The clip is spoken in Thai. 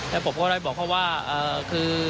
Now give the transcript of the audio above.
แล้วผมก็ได้บอกเขาว่าคือ